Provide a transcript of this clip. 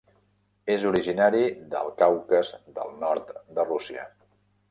És originari del Caucas del Nord de Rússia.